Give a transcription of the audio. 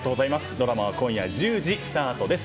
ドラマは今夜１０時スタートです